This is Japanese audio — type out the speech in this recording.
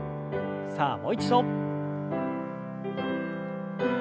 さあもう一度。